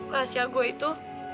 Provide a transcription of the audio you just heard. rahasia gue itu